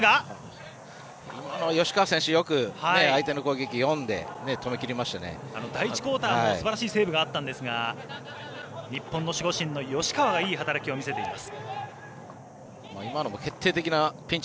吉川選手、よく相手の攻撃を読んで第１クオーターのすばらしいセーブがあったんですが日本の守護神の吉川がいい働きを見せています。